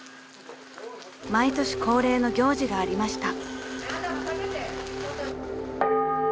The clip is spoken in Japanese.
［毎年恒例の行事がありました］